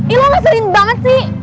ih lo gak sering banget sih